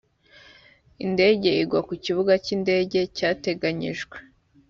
indege igwa ku kibuga cy indege cyateganyijwe